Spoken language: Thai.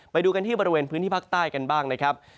ไปดูกันที่บริเวณพื้นที่ภาคใต้กันบ้างนะครับ